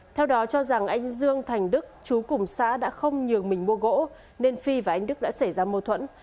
theo đó cho rằng anh dương thành đức chú cùng xã đã không nhường mình mua gỗ nên phi và anh đức đã xảy ra mâu thuẫn